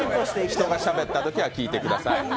人がしゃべったときは聞いてください。